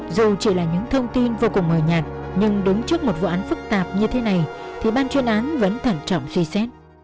dù chỉ là những thông tin vô cùng mờ nhạt nhưng đứng trước một vụ án phức tạp như thế này thì ban chuyên án vẫn thẳng trọng suy xét